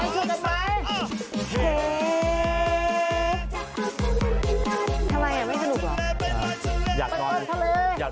สวัสดีครับ